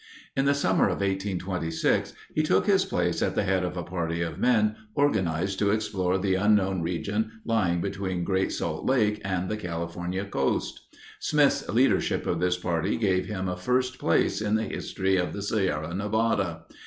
In the summer of 1826 he took his place at the head of a party of men organized to explore the unknown region lying between Great Salt Lake and the California coast. Smith's leadership of this party gave him a first place in the history of the Sierra Nevada.